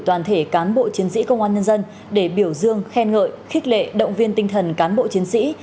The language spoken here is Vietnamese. toàn thể cán bộ chiến sĩ công an nhân dân để biểu dương khen ngợi khích lệ động viên tinh thần cán bộ chiến sĩ